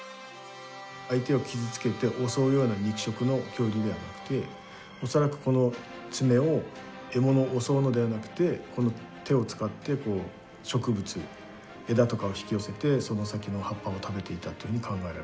相手を傷つけて襲うような肉食の恐竜ではなくて恐らくこの爪を獲物を襲うのではなくてこの手を使って植物枝とかを引き寄せてその先の葉っぱを食べていたというふうに考えられる。